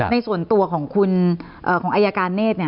ในส่วนตัวของอายการเนธ